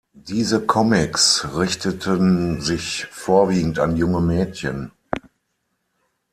Diese Comics richteten sich vorwiegend an junge Mädchen.